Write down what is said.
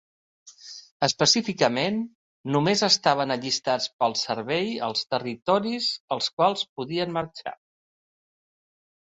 Específicament, només estaven allistat per al servei als territoris als quals podien marxar.